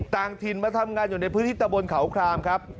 ต่างถิ่นมาทำงานอยู่ในพื้นที่ตะบนเขาคลามครับ